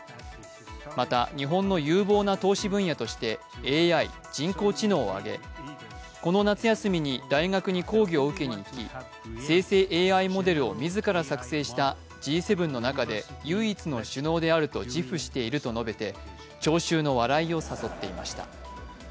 また日本の有望な投資分野としてＡＩ＝人工知能を挙げこの夏休みに大学に講義を受けに行き、生成ＡＩモデルを自ら作成しＧ７の中で唯一の首脳であると自負していると述べて聴衆の笑いを誘っていました。